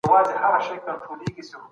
مجاهد په میدان کي د توري وار کوی.